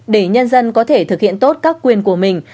để nhân dân có thể thực hiện tốt các quyền của mình